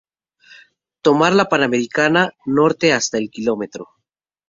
Tomar la Panamericana Norte hasta el km.